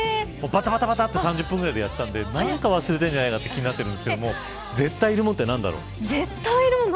ばたばたっと３０分ぐらいでやったんで何か忘れてるんじゃないかなって気になってるんですけど絶対にいるものって何だろう。